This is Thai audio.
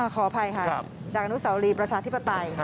ขออภัยค่ะจากอนุสาวรีประชาธิปไตย